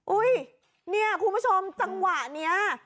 อุ๊ยเนี่ยคุณผู้ชมจังหวะนี้